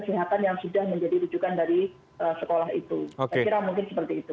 saya kira mungkin seperti itu